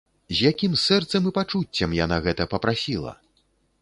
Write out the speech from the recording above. З якім сэрцам і пачуццём яна гэта папрасіла!